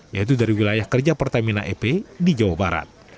yaitu dari wilayah kerja pertamina ep di jawa barat